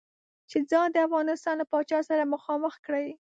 چې ځان د افغانستان له پاچا سره مخامخ کړي.